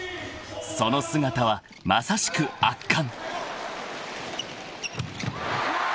［その姿はまさしく圧巻］